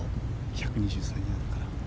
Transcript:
１２３ヤードから。